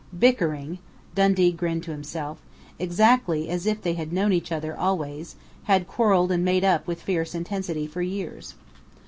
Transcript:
Bickering Dundee grinned to himself exactly as if they had known each other always, had quarreled and made up with fierce intensity for years.